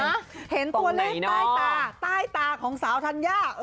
จะเข้าตรงไหนน่ะหันตัวเลขใต้ตาใต้ตาของสาวธัญญาเออ